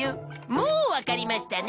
もうわかりましたね？